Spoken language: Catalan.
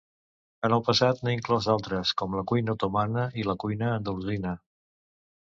En el passat n'ha inclòs d'altres, com la cuina otomana i la cuina andalusina.